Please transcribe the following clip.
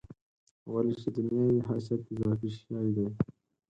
ولې چې دنیا وي حیثیت اضافي شی دی.